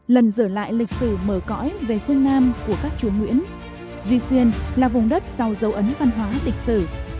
lần dở lại lịch sử mở cõi về phương nam của các chúa nguyễn duy xuyên là vùng đất giàu dấu ấn văn hóa lịch sử